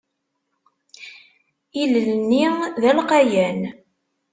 Ilel-nni d alqayan.